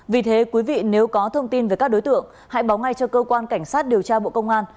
vì thế quý vị nếu có thông tin về các đối tượng hãy báo ngay cho cơ quan cảnh sát điều tra bộ công an